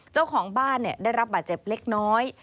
เจ้าของบ้านได้รับบาดเจ็บเล็กน้อย